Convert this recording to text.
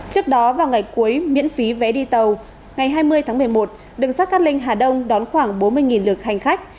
trước đó vào ngày cuối miễn phí vé đi tàu ngày hai mươi tháng một mươi một đường sát cát linh hà đông đón khoảng bốn mươi lượt hành khách